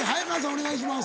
お願いします。